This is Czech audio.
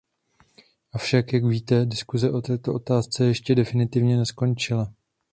Avšak, jak víte, diskuse o této otázce ještě definitivně neskončila.